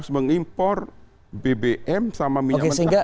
oke sehingga kerugian potensi yang sampai anda katakan empat puluh triliun rupiah itu